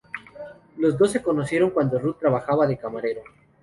Los dos se conocieron cuando Routh trabajaba de camarero.